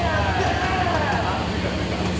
着いた着いた。